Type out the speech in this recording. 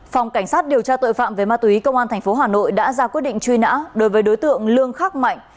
phòng cảnh sát điều tra tội phạm về ma túy công an tp hà nội đã ra quyết định truy nã đối với đối tượng lương khắc mạnh